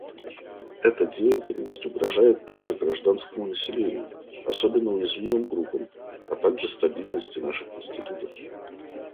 Эта деятельность угрожает также гражданскому населению, особенно уязвимым группам, а также стабильности наших институтов.